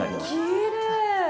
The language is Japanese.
きれーい。